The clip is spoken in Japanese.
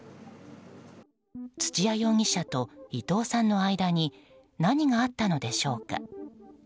土屋容疑者と伊藤さんの間に何があったのでしょうか。